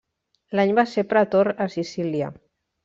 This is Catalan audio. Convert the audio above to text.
L'any va ser pretor a Sicília.